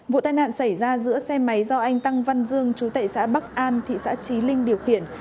vụ tai nạn xảy ra giữa xe máy do anh tăng văn dương chú tệ xã bắc an thị xã trí linh điều khiển